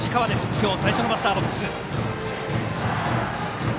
今日、最初のバッターボックス。